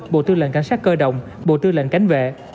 bộ tư lệnh cảnh sát cơ động bộ tư lệnh cảnh vệ